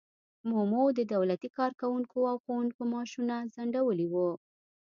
مومو د دولتي کارکوونکو او ښوونکو معاشونه ځنډولي وو.